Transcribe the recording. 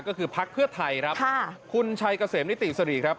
ก็คือพักเพื่อไทยครับคุณชัยเกษมนิติสรีครับ